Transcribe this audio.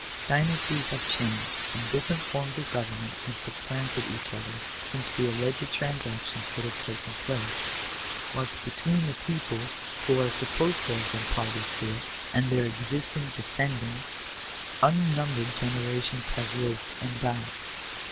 Dynasties have changed, and different forms of government have supplanted each other, since the alleged transaction could have taken place ; whilst, between the people who are supposed Digitized by VjOOQIC 202 POLITICAL RIGHTS. to have been parties to it, and their existing descendants, unnumbered generations have lived and died.